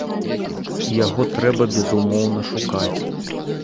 І яго трэба, безумоўна, шукаць.